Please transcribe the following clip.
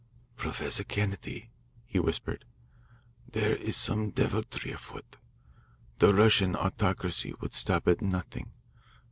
"Professor Kennedy," he whispered, "there is some deviltry afoot. The Russian autocracy would stop at nothing.